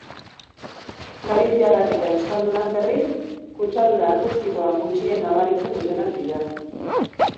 Galiziarrak eta euskaldunak, berriz, kutsadura akustikoa gutxien nabaritzen dutenak dira.